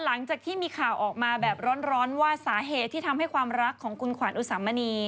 หลังจากที่มีข่าวออกมาแบบร้อนว่าสาเหตุที่ทำให้ความรักของคุณขวัญอุสามณี